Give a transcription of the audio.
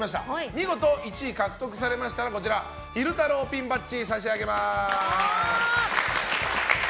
見事１位を獲得されましたら昼太郎ピンバッジを差し上げます。